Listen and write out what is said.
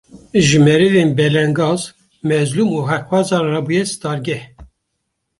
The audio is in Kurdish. Ji merivên belengaz, mezlum û heqxwazan re bûye stargeh